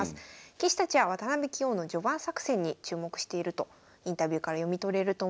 棋士たちは渡辺棋王の序盤作戦に注目しているとインタビューから読み取れると思います。